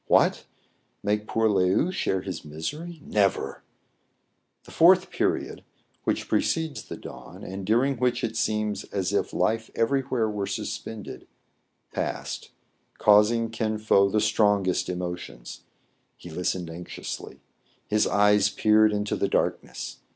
What ! make poor Le ou share his misery ! Never ! The fourth period, which precedes the dawn, and during which it seems as if life everywhere were suspended, passed, causing Kin Fo the strong est emotions. He listened anxiously. His eyes peered into the darkness.